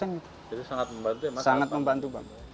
sangat membantu ya mas sangat membantu